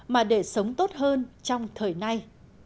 mà để sống tốt hơn trong thời nay